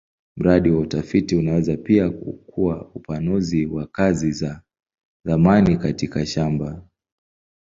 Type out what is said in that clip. Mradi wa utafiti unaweza pia kuwa upanuzi wa kazi ya zamani katika shamba.